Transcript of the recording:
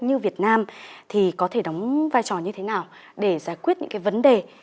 như việt nam thì có thể đóng vai trò như thế nào để giải quyết những cái vấn đề